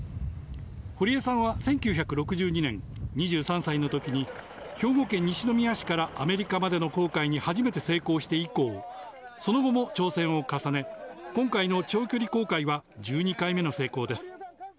堀江さんは１９６２年、２３歳のときに、兵庫県西宮市からアメリカまでの航海に初めて成功して以降、その後も挑戦を重ね、今回の長距離航海は１２回目の成功です。